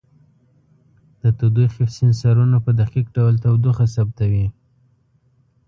د تودوخې سینسرونو په دقیق ډول تودوخه ثبتوي.